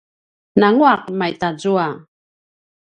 nangua’ a matazua